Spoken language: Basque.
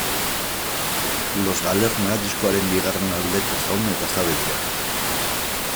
Los Galerna diskoaren bigarren aldeko jaun eta jabe dira.